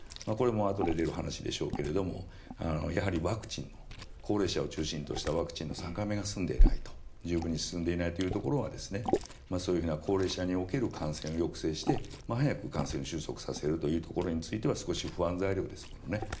これもあとで出る話でしょうけどやはりワクチン高齢者を中心としたワクチンの３回目が十分に進んでいないというところがそういう高齢者における感染を抑制して早く感染を収束させるということについては少し不安材料ですもんね。